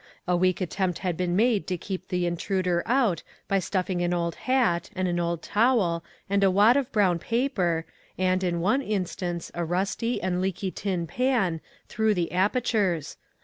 A weak attempt had been made to keep the intruder out by stuffing an old hat, and an old towel, and a wad of brown 174 THE PAST AND THE PRESENT. 175 paper, and, in one instance, a rusty and leaky tin pan, through the apertures.